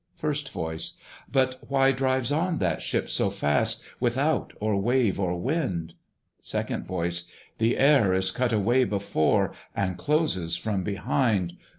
FIRST VOICE. But why drives on that ship so fast, Without or wave or wind? SECOND VOICE. The air is cut away before, And closes from behind.